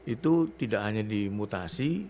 itu tidak hanya di mutasi